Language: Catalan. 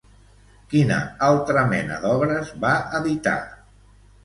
Quina altra mena d'obres va editar?